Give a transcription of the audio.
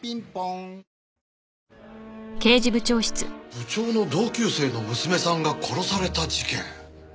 部長の同級生の娘さんが殺された事件？